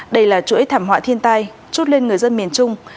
đây là chuỗi thảm họa thiên tai chút lên người dân miền trung